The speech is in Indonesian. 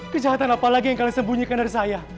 kejahatan apalagi yang kalian sembunyikan dari saya